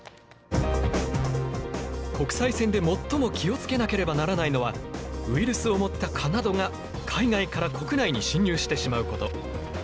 国際線で最も気を付けなければならないのはウイルスを持った蚊などが海外から国内に侵入してしまうこと。